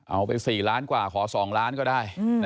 เอาไป๔ล้านกว่าขอ๒ล้านก็ได้